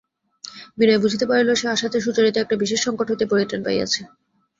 বিনয় বুঝিতে পারিল সে আসাতে সুচরিতা একটা বিশেষ সংকট হইতে পরিত্রাণ পাইয়াছে।